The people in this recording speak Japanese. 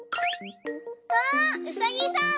わうさぎさん！